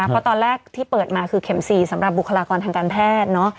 เพราะตอนแรกที่เปิดมาคือเข็ม๔สำหรับบุคลากรทางการแพทย์